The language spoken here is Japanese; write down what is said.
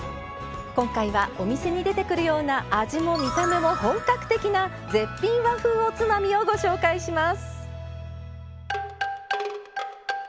今回は、お店に出てくるような味も見た目も本格的な絶品和風おつまみをご紹介します。